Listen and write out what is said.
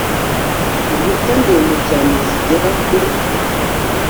inkuta ndende cyane zigera ku